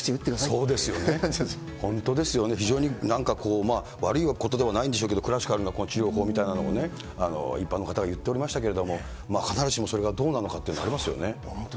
そうですよね、本当ですよね、非常になんかこう、悪いことではないんでしょうけれども、このクラシカルな治療法みたいなのを、一般の方が言っておりましたけれども、必ずしもそれがどうなのかというのもありますよね。